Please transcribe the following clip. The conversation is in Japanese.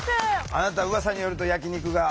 あなたうわさによると焼き肉が。